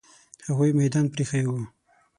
هغوی میدان پرې ایښی وو.